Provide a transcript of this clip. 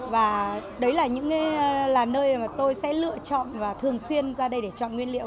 và đấy là những là nơi mà tôi sẽ lựa chọn và thường xuyên ra đây để chọn nguyên liệu